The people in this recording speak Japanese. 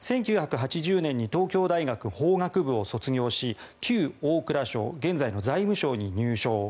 １９８０年に東京大学法学部を卒業し旧大蔵省現在の財務省に入省。